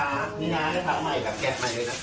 อื้มดีนี่นะคะมีราคาเป้าเป้าครับลูกค้า